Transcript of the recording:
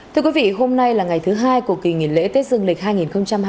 thưa quý vị hôm nay là ngày thứ hai của kỳ nghỉ lễ tết dương lịch hai nghìn hai mươi bốn